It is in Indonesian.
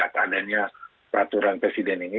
apa kegagalannya peraturan presiden ini